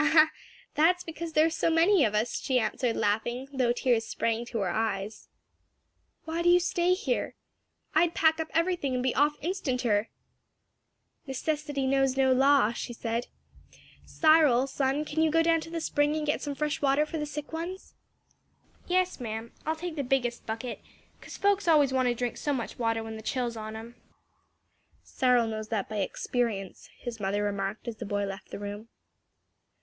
"Ah, that's because there are so many of us!" she answered, laughing, though tears sprang to her eyes. "Why do you stay here! I'd pack up everything and be off instanter." "Necessity knows no law," she said. "Cyril, son, can you go down to the spring and get some fresh water for the sick ones?" "Yes, ma'am; I'll take the biggest bucket; cause folks always want to drink so much water when the chill's on 'em." "Cyril knows that by experience," his mother remarked as the boy left the room.